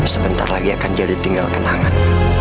sebentar lagi akan jadi tinggal kenangan